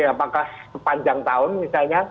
apakah sepanjang tahun misalnya